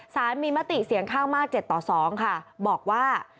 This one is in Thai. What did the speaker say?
สารมีมติเสียงข้างมาก๗ต่อ๒ค่ะบอกว่า